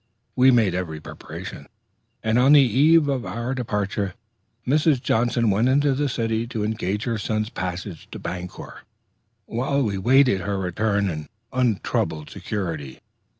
We made every preparation, and on the eve of our departure Mrs. Johnson went into the city to engage her son's passage to Bangor, while we awaited her return in untroubled security.